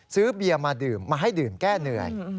ซื้อเบียนมาให้ดื่มแก้เหนื่อย